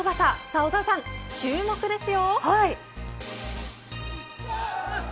小澤さん、注目ですよ。